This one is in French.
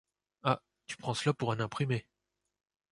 Ah ! tu prends cela pour un imprimé !